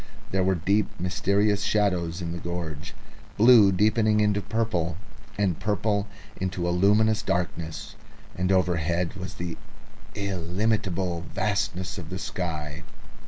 There were deep mysterious shadows in the gorge, blue deepening into purple, and purple into a luminous darkness, and overhead was the illimitable vastness of the sky.